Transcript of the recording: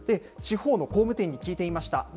地方の工務店に聞いてみました。